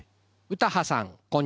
・詩羽さんこんにちは。